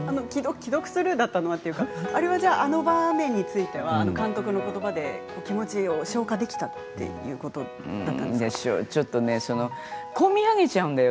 既読スルーだったのはというかあの場面についてはあの監督のことばで気持ちを消化できたということだったんですか？